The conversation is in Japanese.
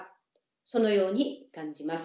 そのように感じます。